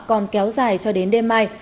còn kéo dài cho đến đêm mai